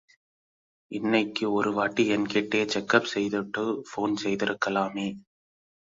இன்னைக்கு ஒரு வாட்டி என்கிட்டே செக்கப் செய்துட்டு, போன் செய்திருக்கலாமே.